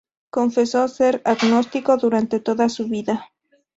Confesó ser agnóstico durante toda su vida.